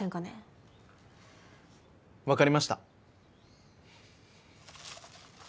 わかりました。